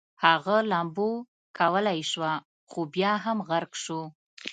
هغه لامبو کولی شوه خو بیا هم غرق شو